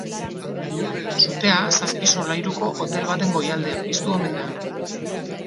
Sutea zazpi solairuko hotel baten goialdean piztu omen da.